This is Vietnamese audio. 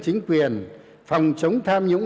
chính quyền phòng chống tham nhũng